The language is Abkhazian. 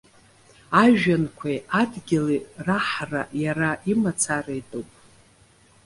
Ажәҩанқәеи адгьыли раҳра иара имацара итәуп.